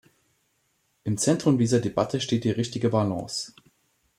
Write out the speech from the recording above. Im Zentrum dieser Debatte steht die richtige Balance.